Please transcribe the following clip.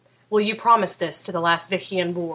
Will you promise this to the last Vich Ian Vohr?'